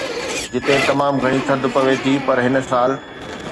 جتي تمام گهڻي ٿڌ پوي ٿي پر هن سال